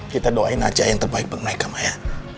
kita doain aja yang terbaik mereka maya